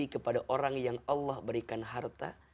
kepada orang yang allah berikan harta